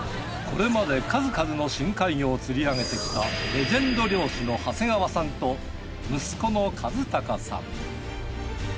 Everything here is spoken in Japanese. これまで数々の深海魚を釣り上げてきたレジェンド漁師の長谷川さんと息子の一孝さん。